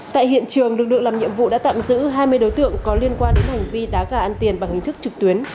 tại hiện trường lực lượng làm nhiệm vụ đã tạm giữ hai mươi đối tượng có liên quan đến hành vi đá gà ăn tiền bằng hình thức trực tuyến